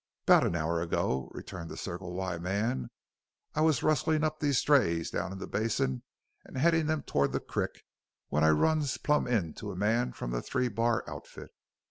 "'Bout an hour ago," returned the Circle Y man. "I was rustlin' up these strays down in the basin an' headin' them toward the crick when I runs plum into a man from the Three Bar outfit.